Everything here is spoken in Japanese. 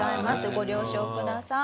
ご了承ください。